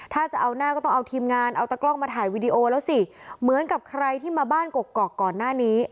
ถ้าจะเอาหน้าก็ต้องเอาทีมงานเอาตะกล้องมาถ่ายวีดีโอแล้วสิเหมือนกับใครที่มาบ้านกกอกก่อนหน้านี้